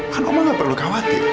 kan oma gak perlu khawatir